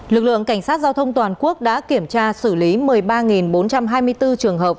lực lượng cảnh sát giao thông toàn quốc đã kiểm tra xử lý một mươi ba bốn trăm hai mươi bốn trường hợp